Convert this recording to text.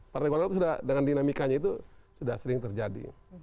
partai golkar sudah dengan dinamikanya itu sudah sering terjadi